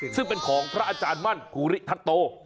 ซึ่งเป็นของพระอาจารย์มั่นภูริทัตโต